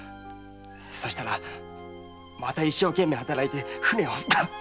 そしたらまた一生懸命働いて舟を